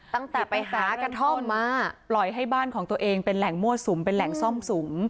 ตั้งแต่ไปหากระท่อมมาปล่อยให้บ้านของตัวเองเป็นแหล่งมั่วสุมเป็นแหล่งซ่องสุม